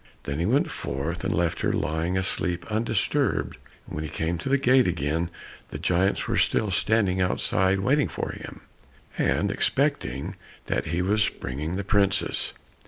Then he went forth and left her lying asleep undisturbed, and when he came to the gate again, the giants were still standing outside waiting for him, and expecting that he was bringing the princess.